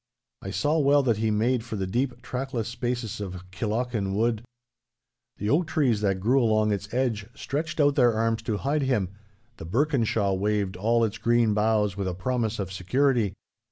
I saw well that he made for the deep, trackless spaces of Killochan wood. The oak trees that grew along its edge stretched out their arms to hide him; the birken shaw waved all its green boughs with a promise of security.